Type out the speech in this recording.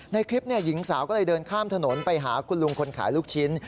ในคลิปหญิงสาวก็เลยเดินข้ามถนนไปหาคุณลุงคนขายลูกชิ้น